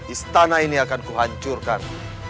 istana ini akan kuhancurkan